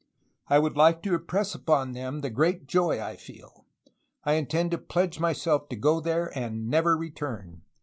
I would like to impress upon them the great joy I feel. I intend to pledge myself to go there and never return.